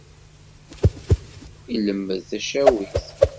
Ilemmed tacawit.